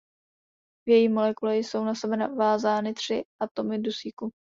V její molekule jsou na sebe vázány tři atomy dusíku.